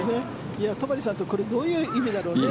戸張さんとこれどういう意味だろうねって。